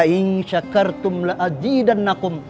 insya kartum la'adzidanakum